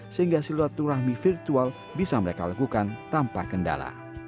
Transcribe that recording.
sehingga silaturahmi virtual bisa mereka lakukan tanpa kendala